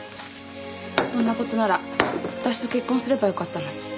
こんな事なら私と結婚すればよかったのに。